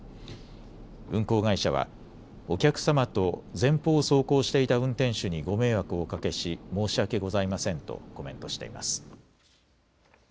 運行会社は、お客様と前方を走行していた運転手にご迷惑をおかけし申し訳ございませんとコメントしています。